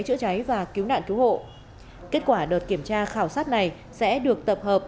chữa cháy và cứu nạn cứu hộ kết quả đợt kiểm tra khảo sát này sẽ được tập hợp